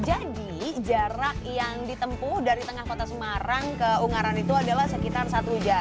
jarak yang ditempu dari tengah kota semarang ke ungaran itu adalah sekitar satu jam